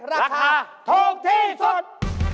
ราคาถูกที่สุด